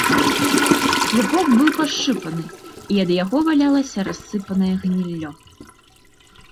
Слупок быў пашчыпаны, і ад яго валялася рассыпанае гніллё.